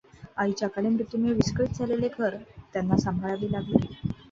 आईच्या अकाली मृत्यूमुळे विस्कळित झालेले घर त्यांना सांभाळावे लागले.